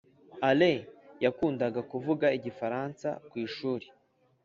ale yakundaga kuvuga igifaransa ku ishuri